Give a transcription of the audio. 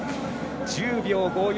１０秒５４。